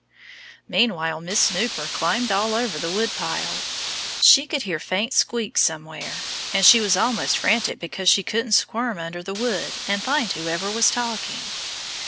Meanwhile Miss Snooper climbed all over the woodpile. She could hear faint squeaks somewhere. And she was almost frantic because she couldn't squirm under the wood and find whoever was talking.